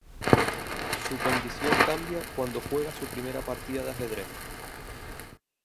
Su condición cambia cuando juega su primera partida de ajedrez.